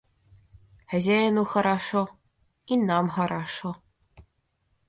Хозяину хорошо, и нам хорошо.